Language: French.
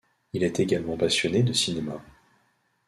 Il est également passionné de cinéma.